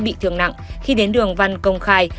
bị thương nặng khi đến đường văn công khai